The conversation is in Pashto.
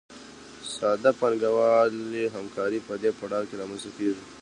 ساده پانګوالي همکاري په دې پړاو کې رامنځته کېږي